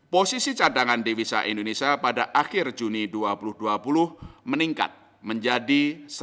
posisi cadangan devisa indonesia pada akhir juni dua ribu dua puluh meningkat menjadi satu